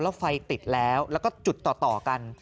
แล้วไฟติดแล้วแล้วก็จุดต่อกัน